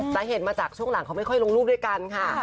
สาเหตุมาจากช่วงหลังเขาไม่ค่อยลงรูปด้วยกันค่ะ